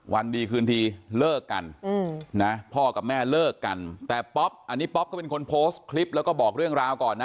วันดีคืนทีเลิกกันนะพ่อกับแม่เลิกกันแต่ป๊อปอันนี้ป๊อปก็เป็นคนโพสต์คลิปแล้วก็บอกเรื่องราวก่อนนะ